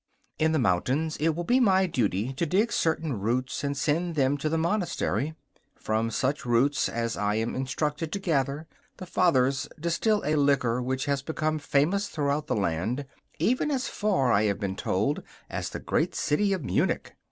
In the mountains it will be my duty to dig certain roots and send them to the monastery. From such roots as I am instructed to gather the Fathers distil a liquor which has become famous throughout the land, even as far, I have been told, as the great city of Munich.